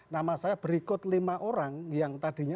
nama saya berikut lima orang yang tadinya